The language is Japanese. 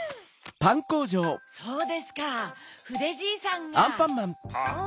・そうですかふでじいさんが・ああ